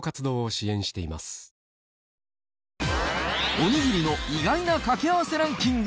おにぎりの意外な掛け合わせランキング。